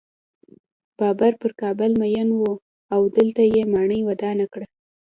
بابر پر کابل مین و او دلته یې ماڼۍ ودانه کړه.